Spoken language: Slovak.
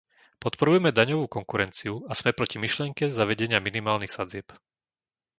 Podporujeme daňovú konkurenciu a sme proti myšlienke zavedenia minimálnych sadzieb.